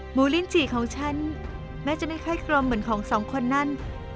ลิ้นจี่ของฉันแม้จะไม่ค่อยกลมเหมือนของสองคนนั้น